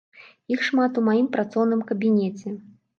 Іх шмат у маім працоўным кабінеце.